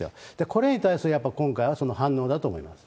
これに対するやっぱり今回はその反応だと思います。